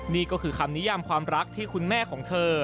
นี่ก็คือคำนิยามความรักที่คุณแม่ของเธอ